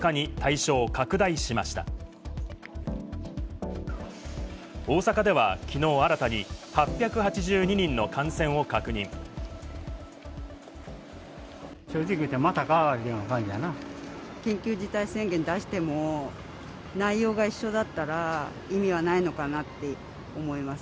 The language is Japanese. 正直言ってまたかいうような緊急事態宣言出しても、内容が一緒だったら、意味はないのかなって思います。